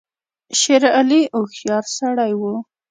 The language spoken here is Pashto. شېر علي هوښیار سړی وو.